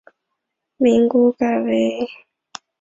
民国改为滇中道。